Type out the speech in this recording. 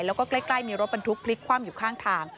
โดยคือกล้ายมีรถประณุกพลิกคว่ำอยู่ข้างทาง